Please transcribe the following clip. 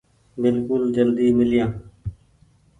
بلڪل جلدي ميليآن